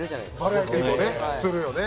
バラエティーもねするよね。